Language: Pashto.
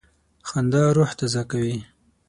خندا روح تازه کوي.